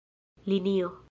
linio